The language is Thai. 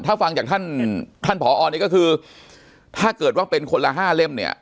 ถ้าฟังจากท่านท่านผอนี่ก็คือถ้าเกิดว่าเป็นคนละห้าเล่มเนี่ย